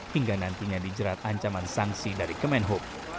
hingga nantinya dijerat ancaman sanksi dari kemenhub